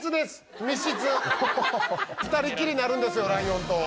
二人きりになるんですよライオンと。